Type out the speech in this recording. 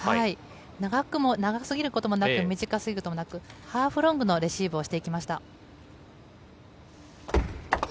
長すぎることもなく短すぎることもなくハーフロングのレシーブをしていきました。